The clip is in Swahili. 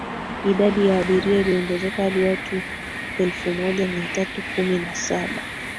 idadi ya abiria iliongezeka hadi watu elfu moja mia tatu kumi na saba